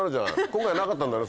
今回なかったんだね